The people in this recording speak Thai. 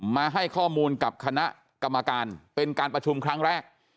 มาให้ข้อมูลกับคณะกรรมการเป็นการประชุมครั้งแรก